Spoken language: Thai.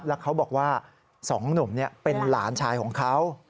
แล้วเขาบอกว่า๒หนุ่มเป็นหลานชายของเขา